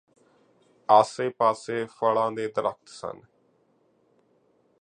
ਆਸੇ ਪਾਸੇ ਫਲਾਂ ਦੇ ਦਰੱਖਤ ਸਨ